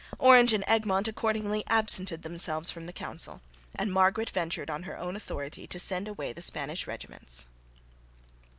Orange and Egmont accordingly absented themselves from the Council, and Margaret ventured on her own authority to send away the Spanish regiments.